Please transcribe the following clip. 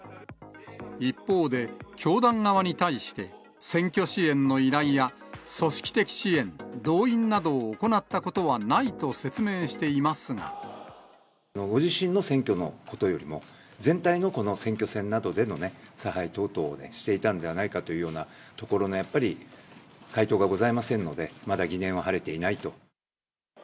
一方で教団側に対して、選挙支援の依頼や、組織的支援、動員などを行ったことはないと説ご自身の選挙のことよりも、全体の選挙戦などでの差配等々をしていたんではないかというようなところのやっぱり、回答がございませんので、まだ疑念は晴れていないと。